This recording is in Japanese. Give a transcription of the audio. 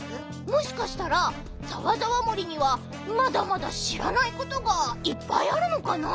もしかしたらざわざわ森にはまだまだしらないことがいっぱいあるのかな？